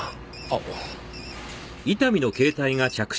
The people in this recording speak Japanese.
あっ。